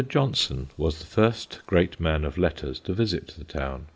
Johnson was the first great man of letters to visit the town.